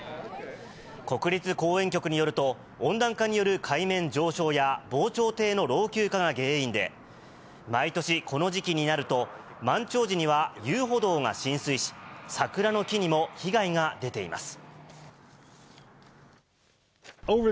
国立公園局によると、温暖化による海面上昇や、防潮堤の老朽化が原因で、毎年この時期になると、満潮時には遊歩道が浸水し、桜の木にも被害が出ています。